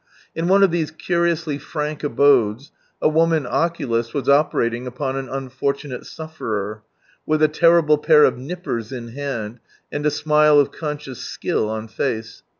In one of these curiously frank abodes, a. woman oculist was operating upon an unfortunate sufferer, with a terrible pair of nippers in harid, and a smile of conscious skill on face.